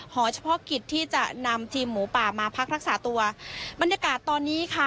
หอเฉพาะกิจที่จะนำทีมหมูป่ามาพักรักษาตัวบรรยากาศตอนนี้ค่ะ